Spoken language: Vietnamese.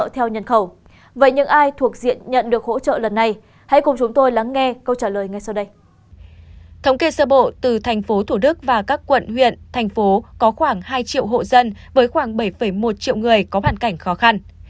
thống kê sơ bộ từ thành phố thủ đức và các quận huyện thành phố có khoảng hai triệu hộ dân với khoảng bảy một triệu người có hoàn cảnh khó khăn